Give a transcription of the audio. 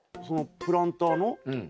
そのプランターの？